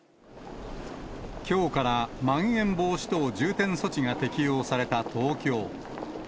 きょうからまん延防止等重点措置が適用された東京。